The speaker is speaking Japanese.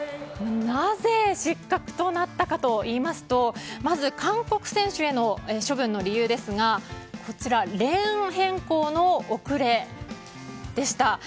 なぜ、失格となったかといいますとまず韓国選手への処分の理由ですがレーン変更の遅れでした。